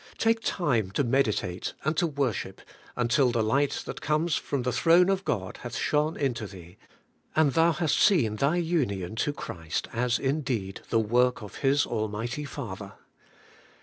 Take time to meditate and to worship, until the light that comes from the throne of God hath shone into thee, and thou hast seen thy union to Christ as in deed the work of His almighty Father.